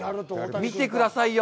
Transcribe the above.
見てくださいよ！